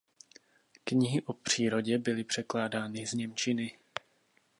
Knihy o přírodě byly překládány z němčiny.